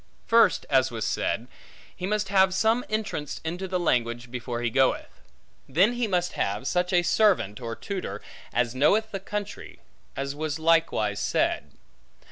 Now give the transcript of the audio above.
First, as was said, he must have some entrance into the language before he goeth. Then he must have such a servant, or tutor, as knoweth the country, as was likewise said.